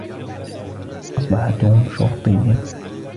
أصبح توم شرطيا.